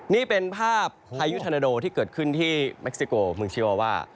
นี่เป็นภาพพายุธนาโดที่เกิดขึ้นที่เม็กซิโกเมืองชีวาว่า